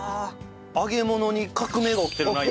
揚げ物に革命が起きてるな今。